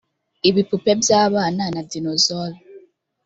ibipupe byabana na dinosaurs-